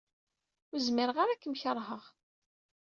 Ur zmireɣ ara ad kem-keṛheɣ.